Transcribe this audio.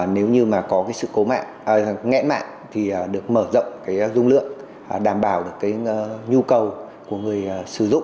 nếu như mà có cái sự cố mạng nghẽn mạng thì được mở rộng cái dung lượng đảm bảo được cái nhu cầu của người sử dụng